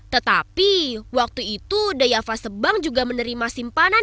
tetapi waktu itu daya fase bank juga menerima simpanan